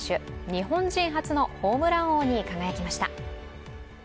日本人初のホームラン王に輝きました。